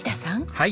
はい。